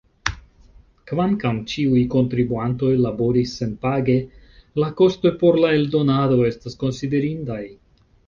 Kvankam ĉiuj kontribuantoj laboris senpage, la kostoj por la eldonado estas konsiderindaj.